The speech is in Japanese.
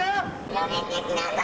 やめてください。